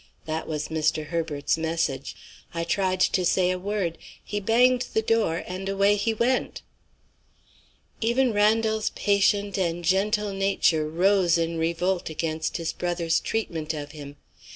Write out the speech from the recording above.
That was Mr. Herbert's message. I tried to say a word. He banged the door, and away he went." Even Randal's patient and gentle nature rose in revolt against his brother's treatment of him.